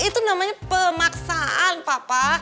itu namanya pemaksaan papa